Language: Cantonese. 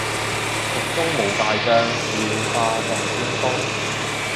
蜀中無大將，廖化作先鋒